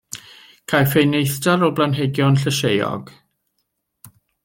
Caiff ei neithdar o blanhigion llysieuog.